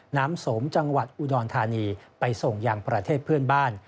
น้ำสมจังหวัดอุดรธานีไปส่งอย่างประเทศเพื่อนบ้าน